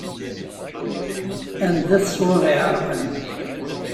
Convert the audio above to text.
Anda-t ṣṣwab iɛerqan.